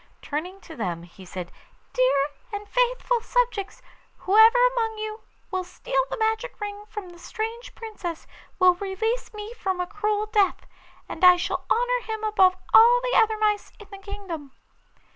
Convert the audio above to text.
Turning to them he said: 'Dear and faithful subjects, who ever among you will steal the magic ring from the strange Princess will release me from a cruel death; and I shall honour him above all the other mice in the kingdom.